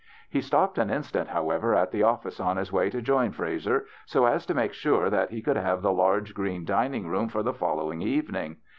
He stopped an instant, however, at the office on his way to join Frazer, so as to make sure that he could have the large green dining room for the folloAving evening.